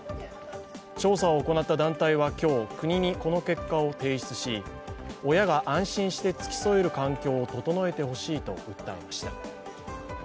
調査を行った団体は今日国にこの結果を提出し、親が安心して付き添える環境を整えてほしいと訴えました。